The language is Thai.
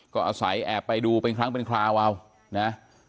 ก็อาศัยแอบไปดูเป็นครั้งเป็นคราวเอานะ